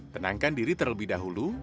tenangkan diri terlebih dahulu